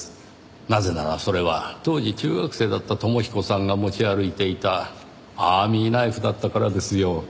なぜならそれは当時中学生だった友彦さんが持ち歩いていたアーミーナイフだったからですよ。